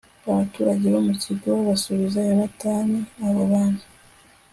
abaturage bo mu kigo basubiza yonatani abo bantu